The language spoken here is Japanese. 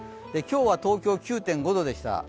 今日は東京９．５度でした。